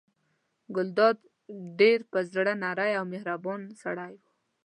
ګلداد ډېر په زړه نری او مهربان سړی و.